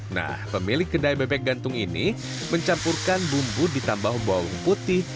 nah pemilik kedai bebek gantung ini mencampurkan bumbu ditambah bawang putih